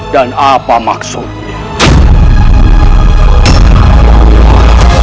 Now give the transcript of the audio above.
dan apa maksudnya